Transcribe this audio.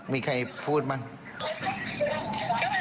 มีใครพูดมั้งเขามันมีเมียพันละวิคมชื่อปุ๋มอ่ะ